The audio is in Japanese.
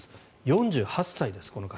４８歳です、この方。